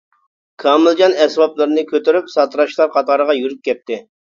كامىلجان ئەسۋابلىرىنى كۆتۈرۈپ ساتىراشلار قاتارىغا يۈرۈپ كەتتى.